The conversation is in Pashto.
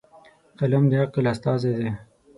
قلم د عقل استازی دی.